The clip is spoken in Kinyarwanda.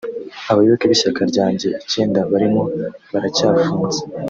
abayoboke b’ishyaka ryanjye icyenda barimo baracyafunze